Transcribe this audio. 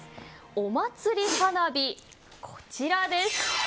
お祭り花火、こちらです。